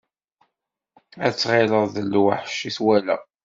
Ad tɣileḍ d lweḥc i twala.